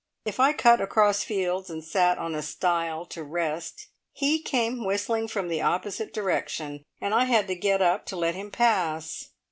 If I cut across fields and sat on a stile to rest, he came whistling from the opposite direction, and I had to get up to let him pass.